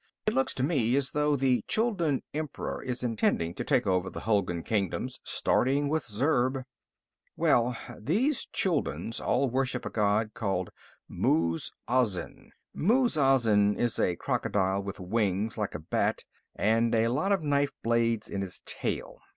It looks to me as though the Chuldun emperor is intending to take over the Hulgun kingdoms, starting with Zurb. "Well, these Chulduns all worship a god called Muz Azin. Muz Azin is a crocodile with wings like a bat and a lot of knife blades in his tail.